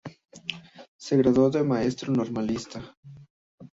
Se graduó de maestro normalista.